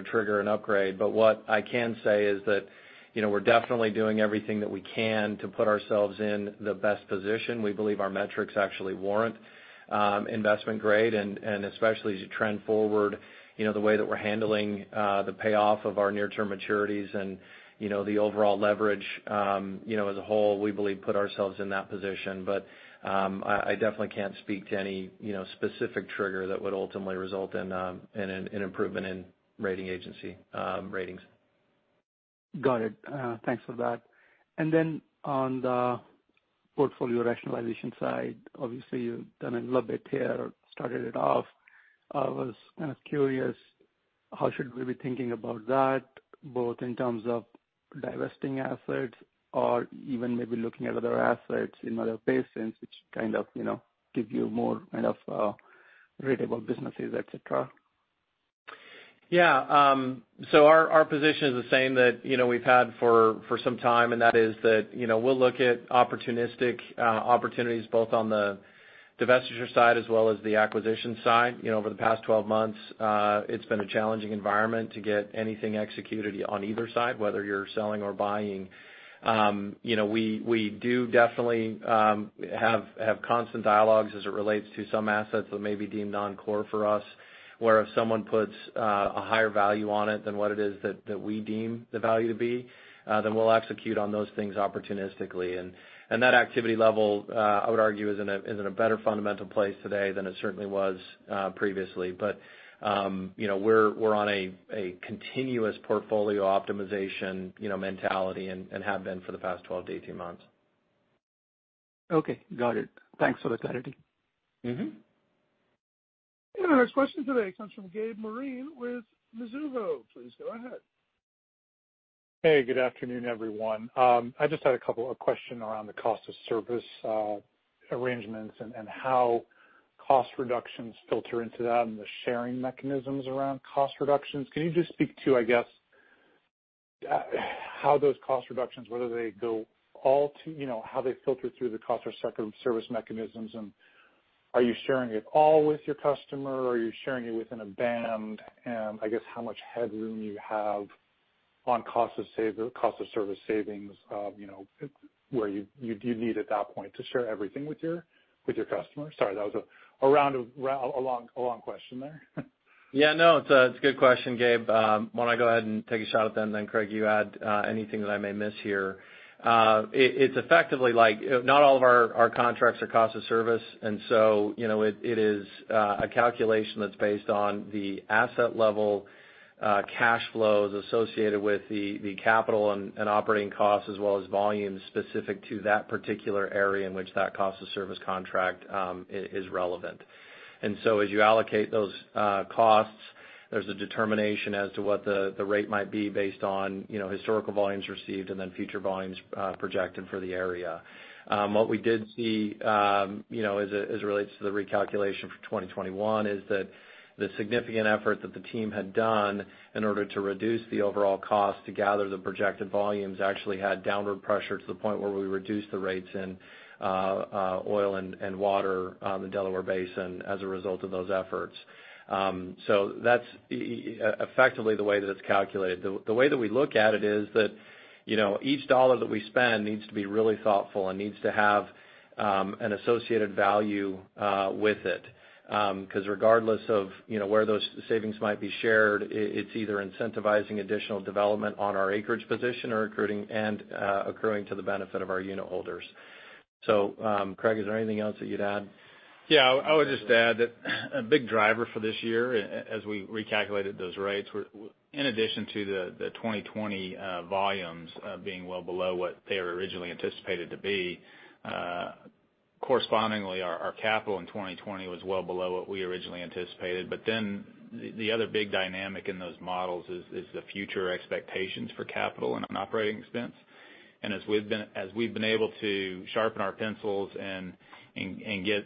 trigger an upgrade. What I can say is that we're definitely doing everything that we can to put ourselves in the best position. We believe our metrics actually warrant investment grade, especially as you trend forward, the way that we're handling the payoff of our near-term maturities and the overall leverage as a whole, we believe put ourselves in that position. I definitely can't speak to any specific trigger that would ultimately result in an improvement in rating agency ratings. Got it. Thanks for that. Then on the portfolio rationalization side, obviously you've done a little bit here or started it off. I was kind of curious, how should we be thinking about that, both in terms of divesting assets or even maybe looking at other assets in other basins which kind of give you more kind of relatable businesses, et cetera? Yeah. Our position is the same that we've had for some time, and that is that we'll look at opportunistic opportunities both on the divestiture side as well as the acquisition side. Over the past 12 months, it's been a challenging environment to get anything executed on either side, whether you're selling or buying. We do definitely have constant dialogues as it relates to some assets that may be deemed non-core for us, where if someone puts a higher value on it than what it is that we deem the value to be, then we'll execute on those things opportunistically. That activity level, I would argue, is in a better fundamental place today than it certainly was previously. We're on a continuous portfolio optimization mentality and have been for the past 12-18 months. Okay. Got it. Thanks for the clarity. Our next question today comes from Gabe Moreen with Mizuho. Please go ahead. Hey, good afternoon, everyone. I just had a couple of questions around the cost of service arrangements and how cost reductions filter into that and the sharing mechanisms around cost reductions. Can you just speak to, I guess, how those cost reductions, whether they go all how they filter through the cost of service mechanisms, and are you sharing it all with your customer, or are you sharing it within a band? I guess how much headroom you have on cost of service savings, where you need at that point to share everything with your customer? Sorry, that was a long question there. Yeah, no, it's a good question, Gabe. Why don't I go ahead and take a shot at them, Craig, you add anything that I may miss here. It's effectively like, not all of our contracts are cost of service. It is a calculation that's based on the asset level, cash flows associated with the capital and operating costs, as well as volumes specific to that particular area in which that cost of service contract is relevant. As you allocate those costs, there's a determination as to what the rate might be based on historical volumes received, and future volumes projected for the area. What we did see, as it relates to the recalculation for 2021, is that the significant effort that the team had done in order to reduce the overall cost to gather the projected volumes, actually had downward pressure to the point where we reduced the rates in oil and water on the Delaware Basin as a result of those efforts. That's effectively the way that it's calculated. The way that we look at it is that, each dollar that we spend needs to be really thoughtful and needs to have an associated value with it. Regardless of where those savings might be shared, it's either incentivizing additional development on our acreage position or accruing to the benefit of our unitholders. Craig, is there anything else that you'd add? Yeah, I would just add that a big driver for this year, as we recalculated those rates, in addition to the 2020 volumes being well below what they were originally anticipated to be, correspondingly, our capital in 2020 was well below what we originally anticipated. The other big dynamic in those models is the future expectations for capital and operating expense. As we've been able to sharpen our pencils and get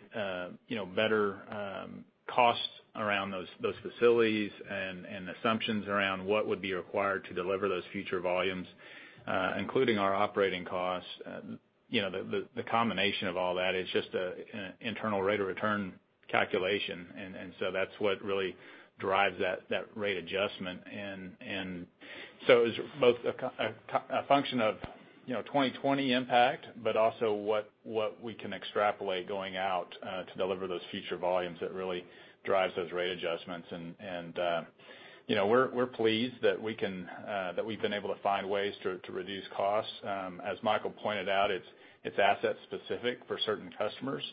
better costs around those facilities and assumptions around what would be required to deliver those future volumes, including our operating costs, the combination of all that is just an internal rate of return calculation. That's what really drives that rate adjustment. It's both a function of 2020 impact, but also what we can extrapolate going out to deliver those future volumes that really drives those rate adjustments. We're pleased that we've been able to find ways to reduce costs. As Michael pointed out, it's asset specific for certain customers.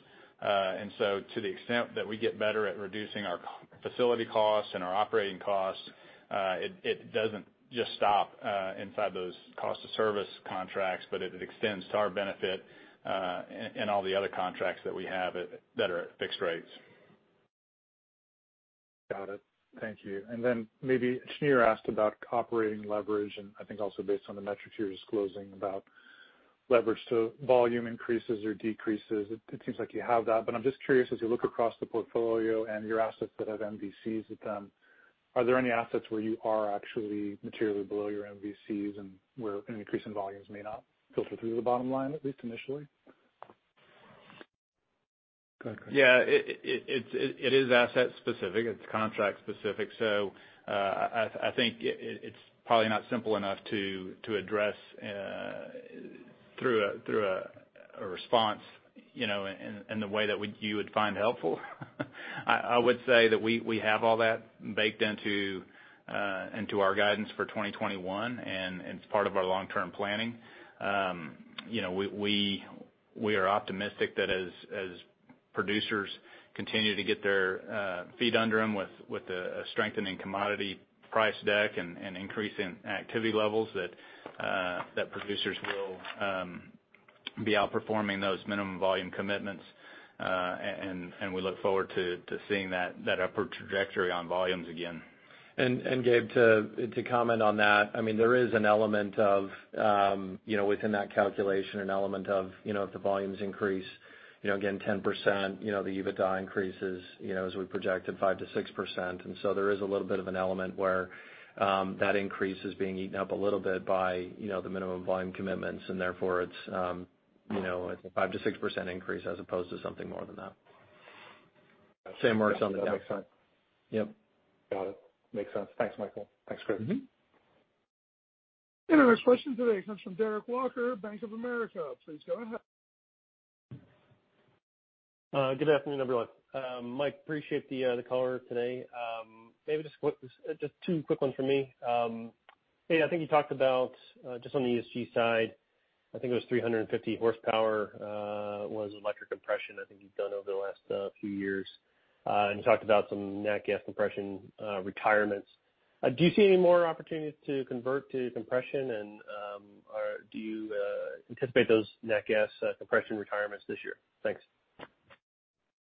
To the extent that we get better at reducing our facility costs and our operating costs, it doesn't just stop inside those cost of service contracts, but it extends to our benefit, and all the other contracts that we have that are at fixed rates. Got it. Thank you. Then maybe Shneur asked about operating leverage, and I think also based on the metrics you're disclosing about leverage to volume increases or decreases, it seems like you have that. I'm just curious, as you look across the portfolio and your assets that have MVCs with them, are there any assets where you are actually materially below your MVCs and where an increase in volumes may not filter through the bottom line, at least initially? Go ahead, Craig. Yeah. It is asset specific. It's contract specific. I think it's probably not simple enough to address through a response, in the way that you would find helpful. I would say that we have all that baked into our guidance for 2021, and it's part of our long-term planning. We are optimistic that as producers continue to get their feet under them with a strengthening commodity price deck and increase in activity levels, that producers will be outperforming those minimum volume commitments. We look forward to seeing that upward trajectory on volumes again. Gabe, to comment on that, there is, within that calculation, an element of, if the volumes increase, again, 10%, the EBITDA increases, as we projected, 5%-6%. There is a little bit of an element where that increase is being eaten up a little bit by the minimum volume commitments, and therefore it's a 5%-6% increase as opposed to something more than that. Same works on the downside. Yep. Got it. Makes sense. Thanks, Michael. Thanks, Craig. Our next question today comes from Derek Walker, Bank of America. Please go ahead. Good afternoon, everyone. Mike, appreciate the color today. Maybe just two quick ones from me. Hey, I think you talked about, just on the ESG side, I think it was 350,000 hp was electric compression, I think you've done over the last few years. You talked about some nat gas compression retirements. Do you see any more opportunities to convert to compression? Do you anticipate those nat gas compression retirements this year? Thanks.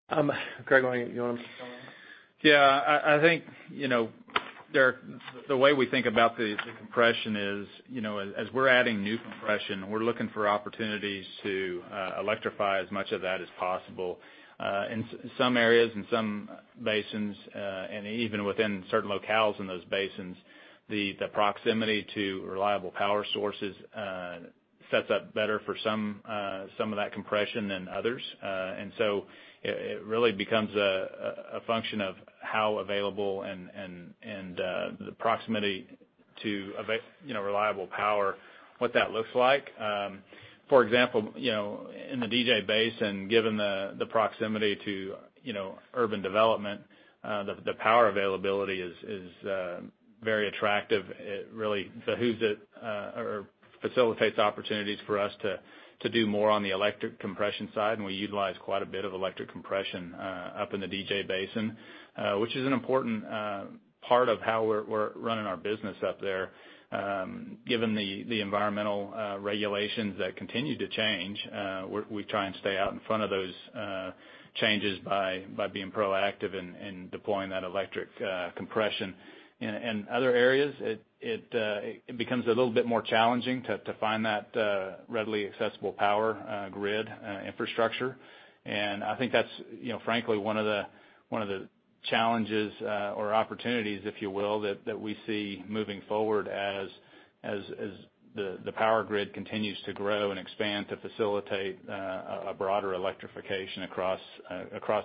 Craig, do you want to take that one? Yeah. I think, Derek, the way we think about the compression is, as we're adding new compression, we're looking for opportunities to electrify as much of that as possible. In some areas and some basins, and even within certain locales in those basins, the proximity to reliable power sources sets up better for some of that compression than others. It really becomes a function of how available and the proximity to reliable power, what that looks like. For example, in the DJ Basin, given the proximity to urban development, the power availability is very attractive. It really facilitates opportunities for us to do more on the electric compression side, and we utilize quite a bit of electric compression up in the DJ Basin, which is an important part of how we're running our business up there. Given the environmental regulations that continue to change, we try and stay out in front of those changes by being proactive in deploying that electric compression. In other areas, it becomes a little bit more challenging to find that readily accessible power grid infrastructure. I think that's frankly one of the challenges or opportunities, if you will, that we see moving forward as the power grid continues to grow and expand to facilitate a broader electrification across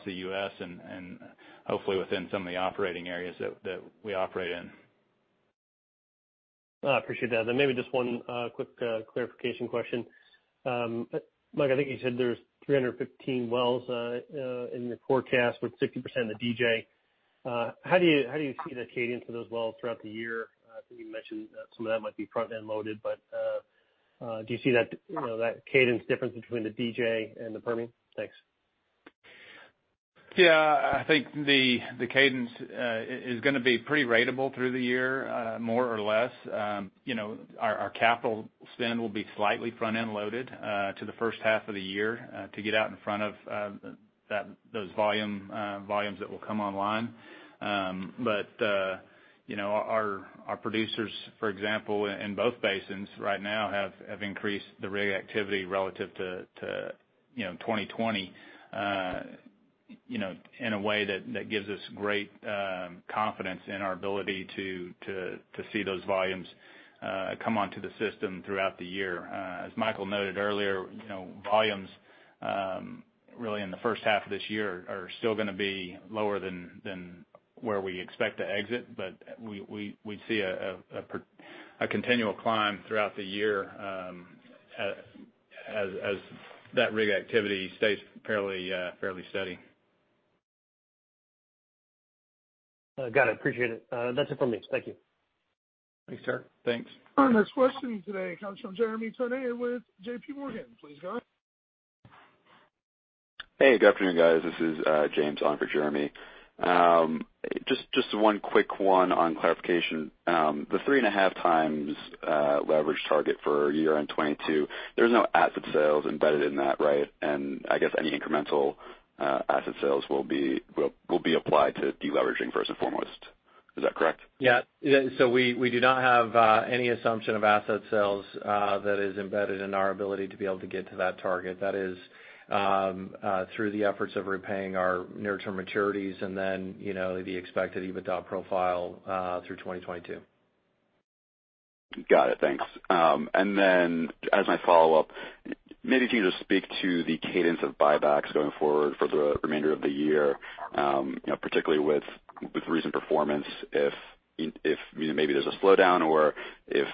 the U.S. and hopefully within some of the operating areas that we operate in. I appreciate that. Maybe just one quick clarification question. Mike, I think you said there's 315 wells in the forecast, with 60% in the DJ. How do you see the cadence of those wells throughout the year? I think you mentioned that some of that might be front-end loaded, do you see that cadence difference between the DJ and the Permian? Thanks. Yeah, I think the cadence is going to be pretty ratable through the year, more or less. Our capital spend will be slightly front-end loaded to the first half of the year to get out in front of those volumes that will come online. Our producers, for example, in both basins right now have increased the rig activity relative to 2020 in a way that gives us great confidence in our ability to see those volumes come onto the system throughout the year. As Michael noted earlier, volumes really in the first half of this year are still going to be lower than where we expect to exit. We see a continual climb throughout the year as that rig activity stays fairly steady. Got it. Appreciate it. That's it from me. Thank you. Thanks, sir. Thanks. Our next question today comes from Jeremy Tonet with JPMorgan. Please go ahead. Hey, good afternoon, guys. This is James on for Jeremy. Just one quick one on clarification. The 3.5x leverage target for year-end 2022, there's no asset sales embedded in that, right? I guess any incremental asset sales will be applied to de-leveraging first and foremost. Is that correct? Yeah. We do not have any assumption of asset sales that is embedded in our ability to be able to get to that target. That is through the efforts of repaying our near-term maturities and then the expected EBITDA profile through 2022. Got it. Thanks. As my follow-up, maybe if you could just speak to the cadence of buybacks going forward for the remainder of the year. Particularly with recent performance, if maybe there's a slowdown or if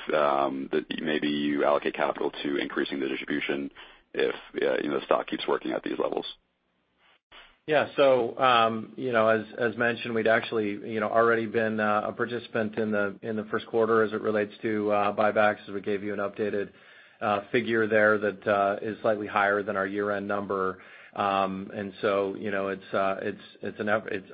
maybe you allocate capital to increasing the distribution if the stock keeps working at these levels. As mentioned, we had actually already been a participant in the first quarter as it relates to buybacks, as we gave you an updated figure there that is slightly higher than our year-end number. It is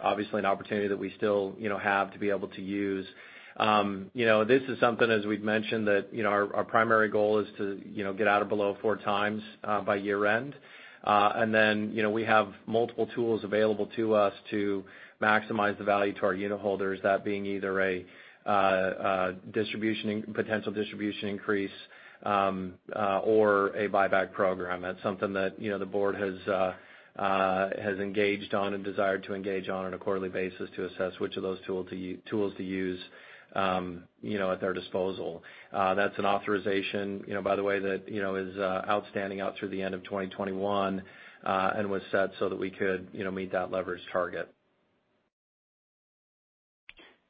obviously an opportunity that we still have to be able to use. This is something, as we have mentioned, that our primary goal is to get out of below 4x by year-end. We have multiple tools available to us to maximize the value to our unitholders, that being either a potential distribution increase or a buyback program. That is something that the board has engaged on and desired to engage on a quarterly basis to assess which of those tools to use at their disposal. That's an authorization, by the way, that is outstanding out through the end of 2021 and was set so that we could meet that leverage target.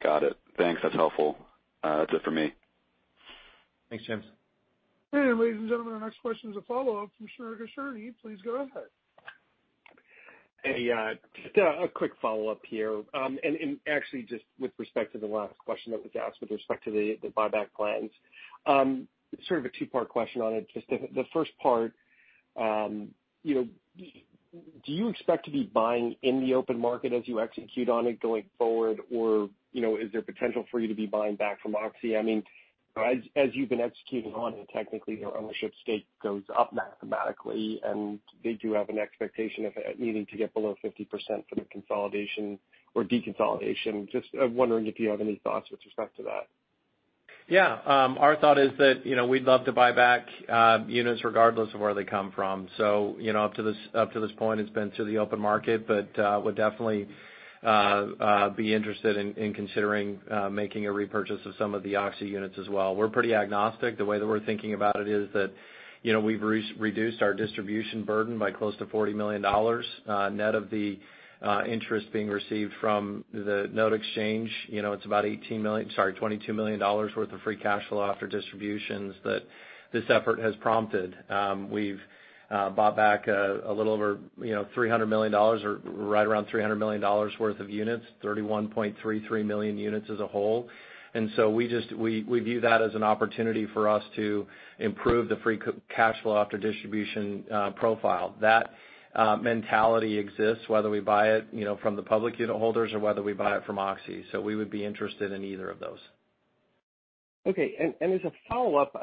Got it. Thanks. That's helpful. That's it for me. Thanks, James. Ladies and gentlemen, our next question is a follow-up from Shneur Gershuni. Please go ahead. Hey. Just a quick follow-up here. Actually just with respect to the last question that was asked with respect to the buyback plans. Sort of a two-part question on it. Just the first part, do you expect to be buying in the open market as you execute on it going forward? Or is there potential for you to be buying back from Oxy? As you've been executing on it, technically their ownership stake goes up mathematically, and they do have an expectation of needing to get below 50% for the consolidation or deconsolidation. Just wondering if you have any thoughts with respect to that. Yeah. Our thought is that we'd love to buy back units regardless of where they come from. Up to this point, it's been to the open market, but would definitely be interested in considering making a repurchase of some of the Oxy units as well. We're pretty agnostic. The way that we're thinking about it is that we've reduced our distribution burden by close to $40 million, net of the interest being received from the note exchange. It's about $22 million worth of free cash flow after distributions that this effort has prompted. We've bought back a little over $300 million, or right around $300 million worth of units, 31.33 million units as a whole. We view that as an opportunity for us to improve the free cash flow after distribution profile. That mentality exists whether we buy it from the public unitholders or whether we buy it from Oxy. We would be interested in either of those. Okay. As a follow-up,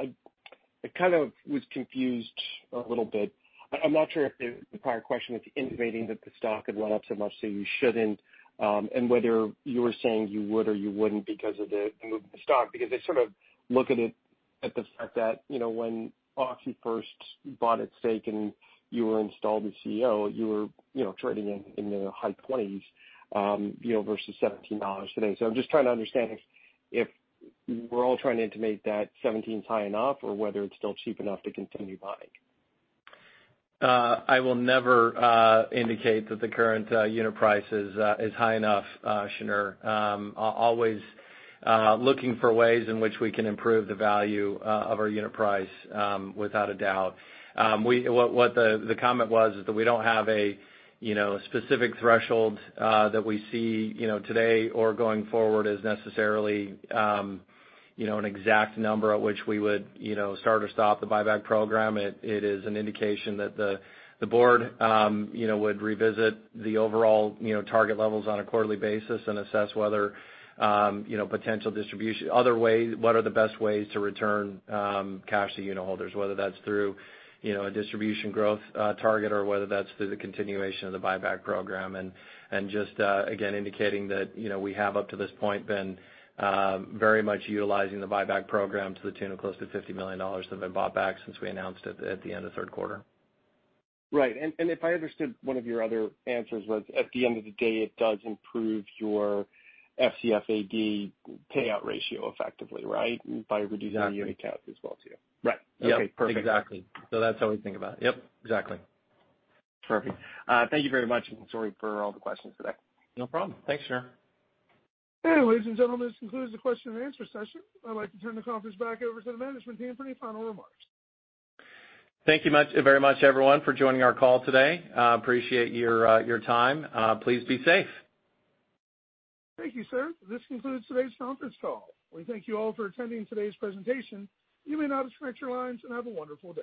I kind of was confused a little bit. I'm not sure if the prior question, if you're intimating that the stock had went up so much, so you shouldn't, and whether you were saying you would or you wouldn't because of the movement of stock. I sort of look at the fact that when Oxy first bought at stake and you were installed as CEO, you were trading in the high $20s versus $17 today. I'm just trying to understand if we're all trying to intimate that $17 is high enough or whether it's still cheap enough to continue buying. I will never indicate that the current unit price is high enough, Shneur. Always looking for ways in which we can improve the value of our unit price, without a doubt. What the comment was is that we don't have a specific threshold that we see today or going forward as necessarily an exact number at which we would start or stop the buyback program. It is an indication that the board would revisit the overall target levels on a quarterly basis and assess what are the best ways to return cash to unitholders, whether that's through a distribution growth target or whether that's through the continuation of the buyback program. Just, again, indicating that we have up to this point been very much utilizing the buyback program to the tune of close to $50 million that have been bought back since we announced it at the end of third quarter. Right. If I understood one of your other answers was at the end of the day it does improve your FCFaD payout ratio effectively, right? By reducing the unit count as well too. Right. Yep. Okay, perfect. Exactly. That's how we think about it. Yep, exactly. Perfect. Thank you very much. Sorry for all the questions today. No problem. Thanks, Shneur. Ladies and gentlemen, this concludes the question and answer session. I'd like to turn the conference back over to the management team for any final remarks. Thank you very much everyone for joining our call today. Appreciate your time. Please be safe. Thank you, sir. This concludes today's conference call. We thank you all for attending today's presentation. You may now disconnect your lines and have a wonderful day.